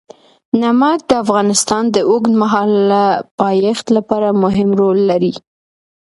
نمک د افغانستان د اوږدمهاله پایښت لپاره مهم رول لري.